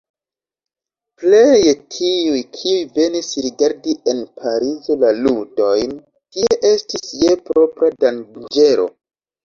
Pleje tiuj, kiuj venis rigardi en Parizo la ludojn, tie estis je propra danĝero.